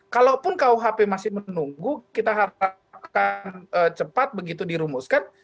kalaupun kuhp masih menunggu kita harapkan cepat begitu dirumuskan